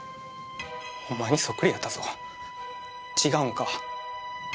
お前にそっくりやったぞ違うんか？